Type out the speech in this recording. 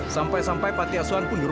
sampai jumpa di video selanjutnya